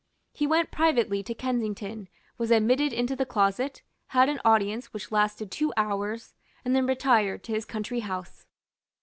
He went privately to Kensington, was admitted into the closet, had an audience which lasted two hours, and then retired to his country house.